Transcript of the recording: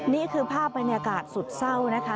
นี่คือภาพบรรยากาศสุดเศร้านะคะ